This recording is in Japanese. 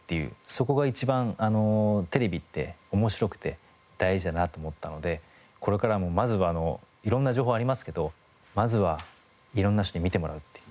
そこが一番テレビって面白くて大事だなと思ったのでこれからもまずは色んな情報ありますけどまずは色んな人に見てもらうっていう。